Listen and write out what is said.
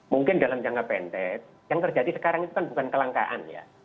mungkin dalam jangka pendek yang terjadi sekarang itu kan bukan kelangkaan ya